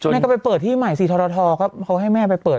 แม่ก็ไปเปิดที่ใหม่สิทรทก็เขาให้แม่ไปเปิด